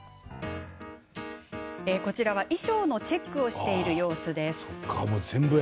こちらは衣装のチェックをしている様子です。